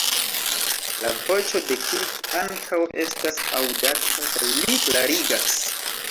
La voĉo de Kirk ankaŭ estas aŭdata, kaj li klarigas.